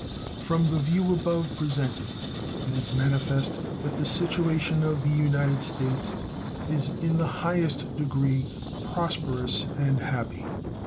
From the view above presented it is manifest that the situation of the United States is in the highest degree prosperous and happy.